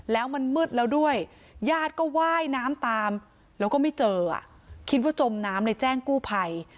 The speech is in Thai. แล้วมันมืดแล้วด้วยญาติก็ว่ายน้ำตามแล้วก็ไม่เจอคิดว่าจมน้ำเลยแจ้งกู้ภัย